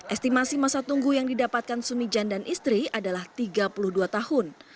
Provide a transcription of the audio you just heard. estimasi masa tunggu yang didapatkan sumijan dan istri adalah tiga puluh dua tahun